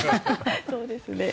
そうですね。